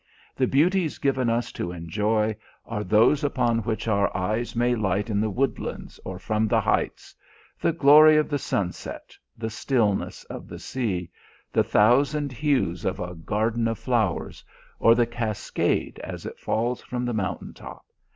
The beauties given us to enjoy are those upon which our eyes may light in the woodlands or from the heights the glory of the sunset, the stillness of the sea, the thousand hues of a garden of flowers, or the cascade as it falls from the mountain top.